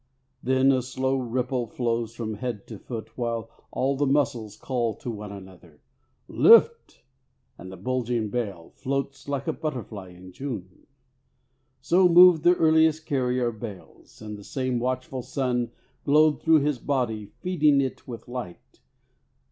Then a slow ripple flows along the body, While all the muscles call to one another :" Lift !" and the bulging bale Floats like a butterfly in June. So moved the earliest carrier of bales, And the same watchful sun Glowed through his body feeding it with light.